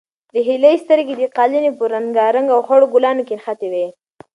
د هیلې سترګې د قالینې په رنګارنګ او خړو ګلانو کې نښتې وې.